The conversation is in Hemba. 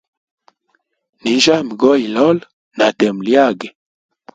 Nyinjyami goilola na temo lyage.